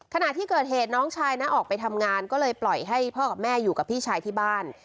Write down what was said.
ขณะที่เกิดเหตุน้องชายนะออกไปทำงานก็เลยปล่อยให้พ่อกับแม่อยู่กับพี่ชายที่บ้าน